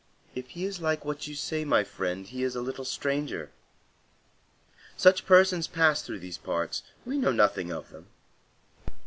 "If he is like what you say, my friend, he is a little stranger. Such persons pass through these parts. We know nothing of them."